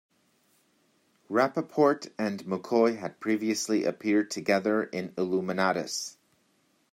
Rappaport and McCoy had previously appeared together in Illuminatus!